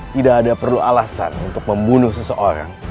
tidak ada perlu alasan untuk membunuh seseorang